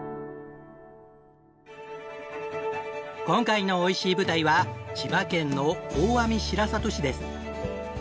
今回のおいしい舞台は千葉県の大網白里市です。